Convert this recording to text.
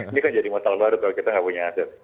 ini kan jadi masalah baru kalau kita nggak punya aset